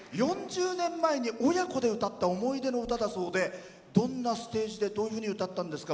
４０年前に親子で歌った思い出の歌だそうでどんなステージでどういうふうに歌ったんですか？